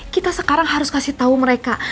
kita sekarang harus kasih tahu mereka